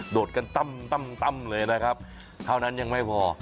ดกันตั้มเลยนะครับเท่านั้นยังไม่พอ